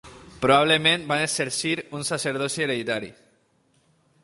Probablement van exercir un sacerdoci hereditari.